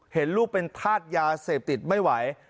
เห็นลูกเป็นธาตุยาเสพติดไม่ไหว